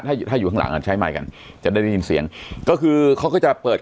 ถ้าถ้าอยู่ข้างหลังอ่ะใช้ไมค์กันจะได้ได้ยินเสียงก็คือเขาก็จะเปิด